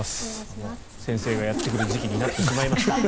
先生がやってくる時期になってしまいました。